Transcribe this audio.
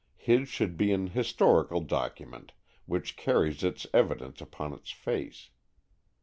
His should be an historical document which carries its evidence upon its face.